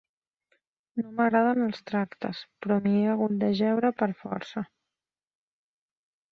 No m'agraden els tractes, però m'hi he hagut d'ajeure per força.